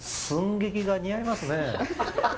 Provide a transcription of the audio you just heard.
寸劇が似合いますね。